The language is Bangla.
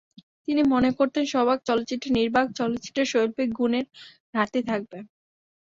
তিনি মনে করতেন সবাক চলচ্চিত্রে নির্বাক চলচ্চিত্রের শৈল্পিক গুণের ঘাটতি থাকবে।